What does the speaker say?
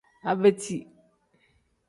Abeti.